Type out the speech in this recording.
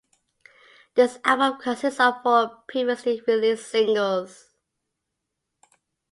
This album consist of four previously released singles.